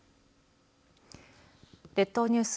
列島ニュース